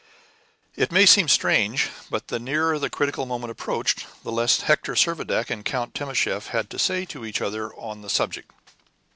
It may seem strange, but the nearer the critical moment approached, the less Hector Servadac and Count Timascheff had to say to each other on the subject.